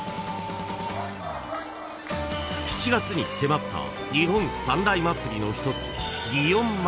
［７月に迫った日本三大祭りの一つ］